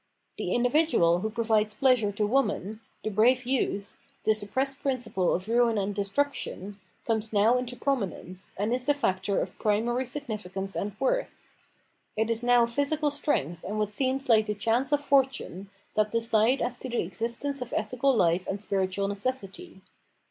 The mdiAuduaL who provides pleasure to woman, the brave youth, the suppressed ,principle of ruin and destruction, comes now into prominence, and is the factor of primary significance and worth. It is now physical strength and what seems like the chance of fortune, that decide as to the existence of ethical life and spiritual necessity.